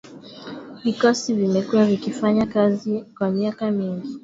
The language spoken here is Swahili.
Vikosi vimekuwa vikifanya kazi kwa miaka mingi